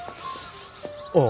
ああ。